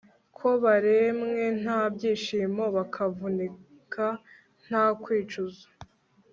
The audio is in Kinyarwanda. ko baremye nta byishimo, bakavunika nta kwicuza